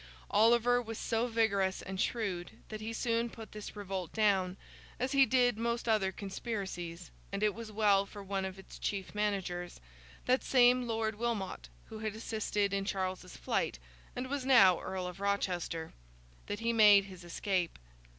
Oliver was so vigorous and shrewd that he soon put this revolt down, as he did most other conspiracies; and it was well for one of its chief managers—that same Lord Wilmot who had assisted in Charles's flight, and was now Earl of Rochester—that he made his escape.